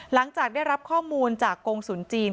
หลังจากได้รับข้อมูลจากกงศูนย์จีน